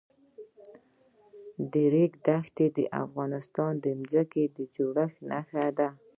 د ریګ دښتې د افغانستان د ځمکې د جوړښت نښه ده.